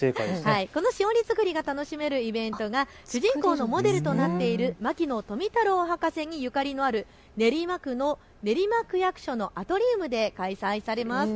このしおり作りが楽しめるイベントが主人公のモデルとなっている牧野富太郎博士にゆかりのある練馬区の練馬区役所のアトリウムで開催されます。